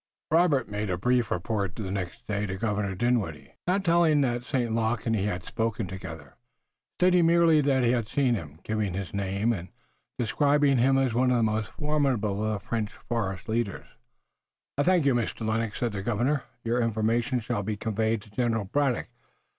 Robert made a brief report the next day to Governor Dinwiddie, not telling that St. Luc and he had spoken together, stating merely that he had seen him, giving his name, and describing him as one of the most formidable of the French forest leaders. "I thank you, Mr. Lennox," said the Governor. "Your information shall be conveyed to General Braddock.